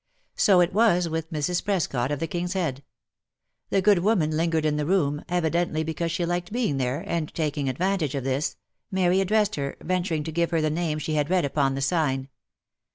So it was with Mrs. Prescot of the King's Head ; the good woman lingered in the room, evidently because she liked being there, and taking advantage of this, Mary addressed her, venturing to give her the name she had read upon the sign.